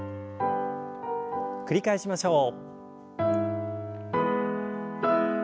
繰り返しましょう。